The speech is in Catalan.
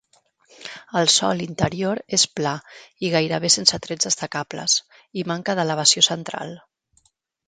El sòl interior és pla i gairebé sense trets destacables, i manca d'elevació central.